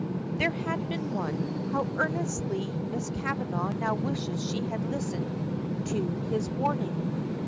There had been one. How earnestly Miss Kavanagh now wishes she had listened to his warning.